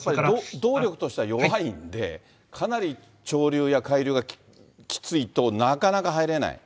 動力としては弱いので、かなり潮流や海流がきついと、そうですね。